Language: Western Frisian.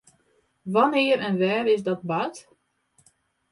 Wannear en wêr is dat bard?